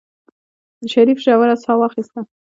شريف ژوره سا اخېستله.